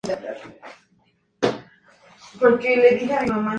Dispone de un pequeño muelle para botes.